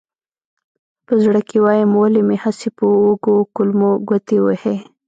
په زړه کې وایم ولې مې هسې په وږو کولمو ګوتې وهې.